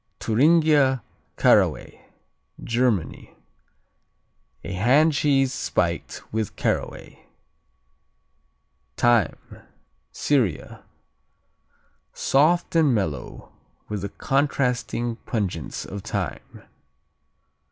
Thuringia Caraway Germany A hand cheese spiked with caraway. Thyme Syria Soft and mellow, with the contrasting pungence of thyme.